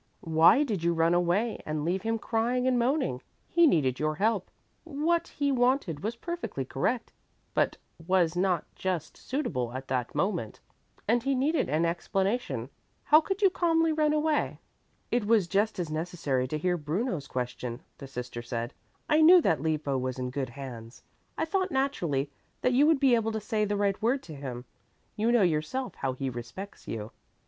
"Why did you run away and leave him crying and moaning? He needed your help. What he wanted was perfectly correct but was not just suitable at that moment, and he needed an explanation. How could you calmly run away?" "It was just as necessary to hear Bruno's question," the sister said. "I knew that Lippo was in good hands. I thought naturally that you would be able to say the right word to him. You know yourself how he respects you."